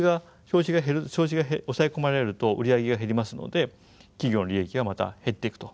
消費が抑え込まれると売り上げが減りますので企業の利益がまた減っていくと。